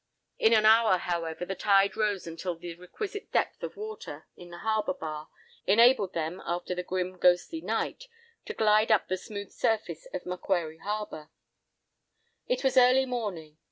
In an hour, however, the tide rose until the requisite depth of water, in the harbour bar, enabled them after the grim, ghostly night, to glide up the smooth surface of Macquarie Harbour. It was early morning.